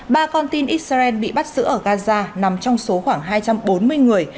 ba con tin israel bị bắt giữ ở gaza nằm trong số khoảng hai trăm bốn mươi người